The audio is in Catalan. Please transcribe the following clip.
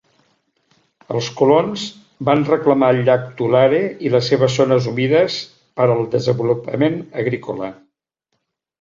Els colons van reclamar el llac Tulare i les seves zones humides per al desenvolupament agrícola.